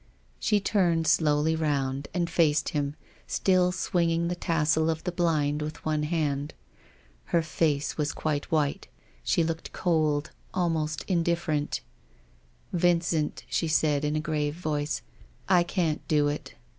She turned slowly round and faced him, still swinging the tassel of the blind with one hand. Her face was quite white ; she looked cold, almost indifferent. " Vincent," she said in a grave voice, " I can't do it.